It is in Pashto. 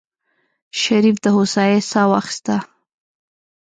شريف د هوسايۍ سا واخيستله.